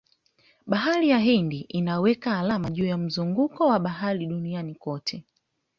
Bahari ya Hindi imeweka alama juu ya mzunguko wa bahari duniani kote